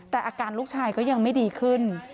แต่อาการลูกชายก็ยังไม่ดีขึ้น